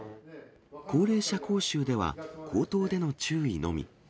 高齢者講習では、口頭での注意のみ。